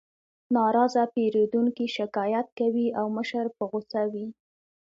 ناراضه پیرودونکي شکایت کوي او مشر په غوسه وي